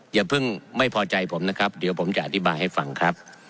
อย่าเพิ่งไม่พอใจผมนะครับเดี๋ยวผมจะอธิบายให้ฟังครับ